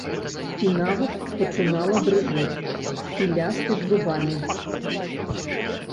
І нават пачынала дрыжэць і ляскаць зубамі.